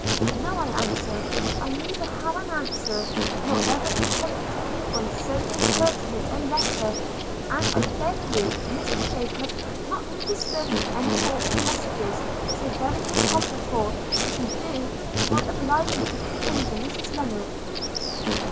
'No,' I answered; 'I neither have an answer, nor ever intend to give one to so impertinent a letter; and I beg you, Mr Jacob, not to disturb me any more with messages so very improper; for, if you do, it will oblige me to complain to Mrs Lennard.'